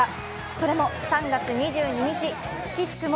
それも３月２２日、くしくも